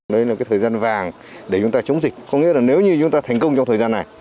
đây là thời gian vàng để chúng ta chống dịch có nghĩa là nếu như chúng ta thành công trong thời gian này